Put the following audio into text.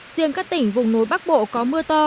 riêng các tỉnh vùng núi bắc bộ có mưa to